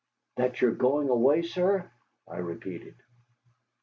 "That you are going away, sir?" I repeated.